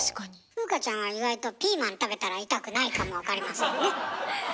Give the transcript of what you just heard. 風花ちゃんは意外とピーマン食べたら痛くないかもわかりませんね。